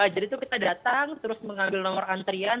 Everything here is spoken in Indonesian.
jadi itu kita datang terus mengambil nomor antrian